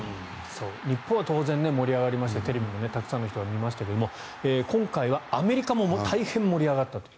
日本は当然、盛り上がりましてテレビもたくさんの人が見ましたが今回はアメリカも大変盛り上がったと。